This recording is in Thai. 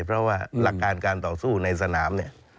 เพราะว่าหลักการการต่อสู้ในสนามเนี่ย